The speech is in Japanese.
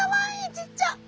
ちっちゃ！